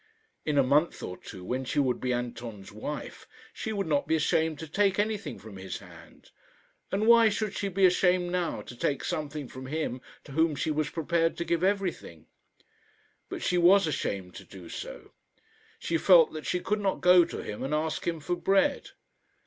In a month or two, when she would be Anton's wife, she would not be ashamed to take everything from his hand; and why should she be ashamed now to take something from him to whom she was prepared to give everything? But she was ashamed to do so. She felt that she could not go to him and ask him for bread.